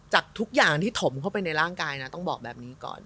ทุกอย่างที่ถมเข้าไปในร่างกายนะต้องบอกแบบนี้ก่อน